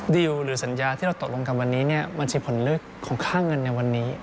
ดิวหรือสัญญาที่เราตกลงกันวันนี้มันใช่ผลเลือกของค่าเงินในวันนี้